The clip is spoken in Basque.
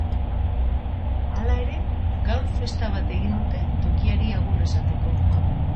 Hala ere, gaur festa bat egin dute tokiari agur esateko.